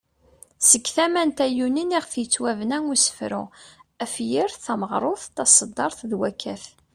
Seg tama n tayunin iɣef yettwabena usefru, afyir, tameɣrut ,taseddart ,d wakat.